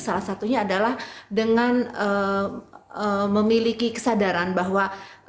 salah satunya adalah dengan memiliki kesadaran bahwa